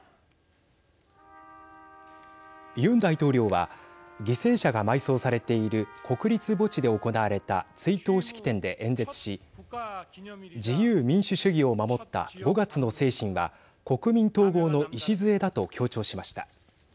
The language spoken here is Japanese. ユン大統領は犠牲者が埋葬されている国立墓地で行われた追悼式典で演説し自由民主主義を守った５月の精神は国民統合の礎だと強調しました。